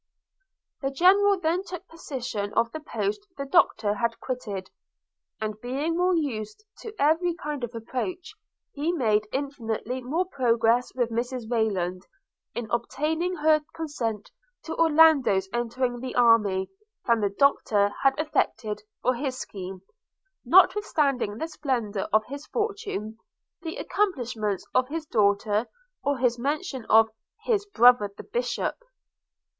The General then took possession of the post the Doctor had quitted; and being more used to every kind of approach, he made infinitely more progress with Mrs Rayland, in obtaining her consent to Orlando's entering the army, than the Doctor had effected for his scheme, notwithstanding the splendour of his fortune, the accomplishments of his daughter, or his mention of 'his brother the bishop.'